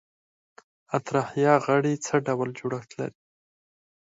اطراحیه غړي څه ډول جوړښت لري؟